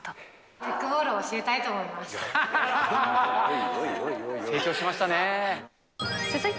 テックボールを教えたいと思おいおいおい。